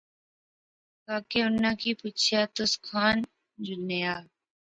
کاکے اُناں کی پُچھیا تس کھان جلنے آ